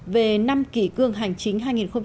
về năm kỷ cương hành chính hai nghìn một mươi chín